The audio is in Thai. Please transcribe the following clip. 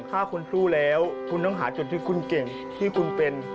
ถ้าคุณสู้แล้วคุณต้องหาจุดที่คุณเก่งที่คุณเป็น